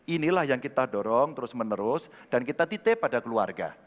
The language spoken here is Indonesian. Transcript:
inilah yang kita dorong terus menerus dan kita titip pada keluarga